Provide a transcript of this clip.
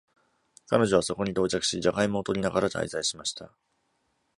彼女はそこに到着し、ジャガイモを取りながら滞在しました。